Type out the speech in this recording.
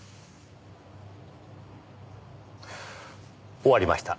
終わりました。